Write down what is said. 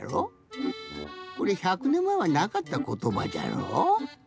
これ１００ねんまえはなかったことばじゃろ。